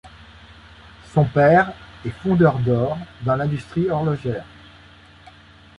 Son père est fondeur d'or dans l'industrie horlogère.